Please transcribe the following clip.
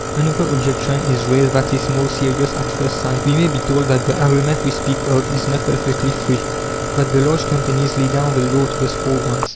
Another objection is raised that is more serious at first sight. We may be told that the agreement we speak of is not perfectly free, that the large companies lay down the law to the small ones.